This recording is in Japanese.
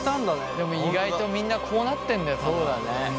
でも意外とみんなこうなってんだよ多分。